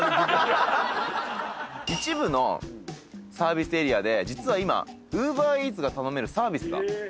一部のサービスエリアで実は今ＵｂｅｒＥａｔｓが頼めるサービスが。